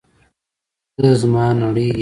ته زما نړۍ یې!